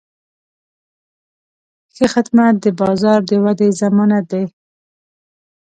ښه خدمت د بازار د ودې ضمانت دی.